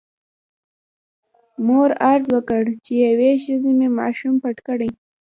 مور عرض وکړ چې یوې ښځې مې ماشوم پټ کړی.